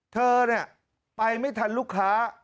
เธอเนี่ยไปไม่ทันลูกค้า